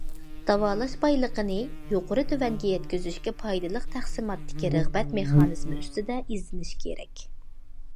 داۋالاش بايلىقىنى يۇقىرى- تۆۋەنگە يەتكۈزۈشكە پايدىلىق تەقسىماتتىكى رىغبەت مېخانىزمى ئۈستىدە ئىزدىنىش كېرەك.